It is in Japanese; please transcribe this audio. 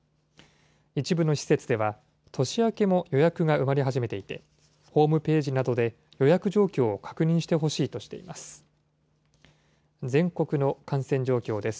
一部の施設では、年明けも予約が埋まり始めていて、ホームページなどで予約状況を確認してほしいとしています。